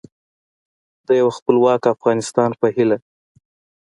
د یو خپلواک افغانستان په هیله